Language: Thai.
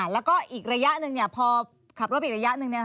แล้วก็อีกระยะหนึ่งพอขับรถอีกระยะหนึ่ง